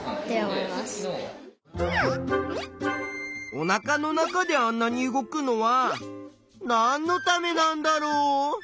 おなかの中であんなに動くのはなんのためなんだろう？